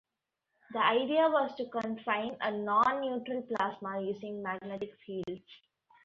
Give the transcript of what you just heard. The idea was to confine a non-neutral plasma using magnetic fields.